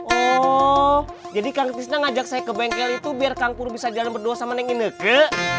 oh jadi kang ketisna ngajak saya ke bengkel itu biar kang kuru bisa jalan berdua sama neng ineke